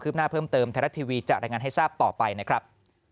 หน้าเพิ่มเติมไทยรัฐทีวีจะรายงานให้ทราบต่อไปนะครับ